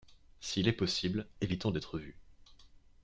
S’il est possible, évitons d’être vus.